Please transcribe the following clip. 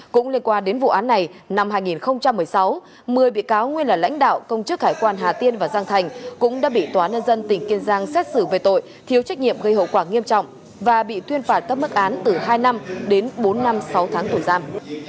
cũng liên quan đến vụ án này năm hai nghìn một mươi sáu một mươi bị cáo nguyên là lãnh đạo công chức hải quan hà tiên và giang thành cũng đã bị tòa nhân dân tỉnh kiên giang xét xử về tội thiếu trách nhiệm gây hậu quả nghiêm trọng và bị tuyên phạt các mức án từ hai năm đến bốn năm sáu tháng tù giam